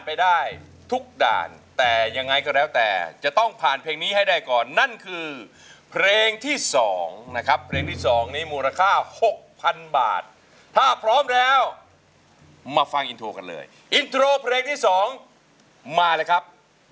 ไปได้ทุกด่านแต่ยังไงก็แล้วแต่จะต้องผ่านเพลงนี้ให้ได้ก่อนนั่นคือเพลงที่สองนะครับเพลงที่สองนี้มูลค่าหกพันบาทถ้าพร้อมแล้วมาฟังอินโทรกันเลยอินโทรเพลงที่สองมาเลยครับ